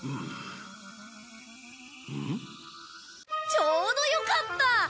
ちょうどよかった！